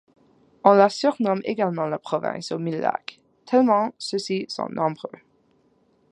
On la surnomme également la province aux mille lacs, tellement ceux-ci sont nombreux.